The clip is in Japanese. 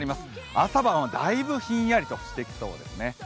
朝晩はだいぶひんやりとしてきそうですね。